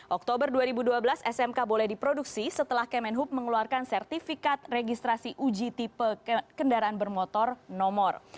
oktober dua ribu dua belas smk boleh diproduksi setelah kemenhub mengeluarkan sertifikat registrasi uji tipe kendaraan bermotor nomor